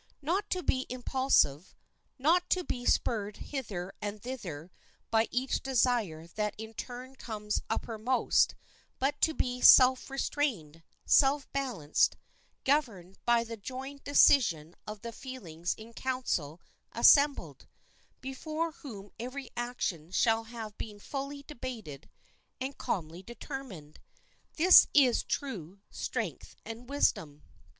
Not to be impulsive, not to be spurred hither and thither by each desire that in turn comes uppermost, but to be self restrained, self balanced, governed by the joined decision of the feelings in council assembled, before whom every action shall have been fully debated and calmly determined,—this is true strength and wisdom.